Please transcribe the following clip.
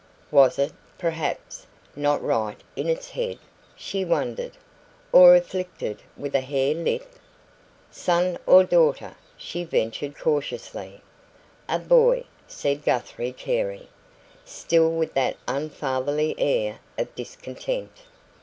Was it, perhaps, not right in its head, she wondered or afflicted with a hare lip? "Son or daughter?" she ventured cautiously. "A boy," said Guthrie Carey, still with that unfatherly air of discontent.